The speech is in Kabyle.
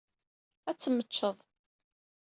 Ad temmeččed.